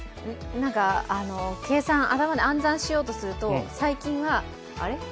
なんか計算、頭で暗算しようとすると最近は、あれ？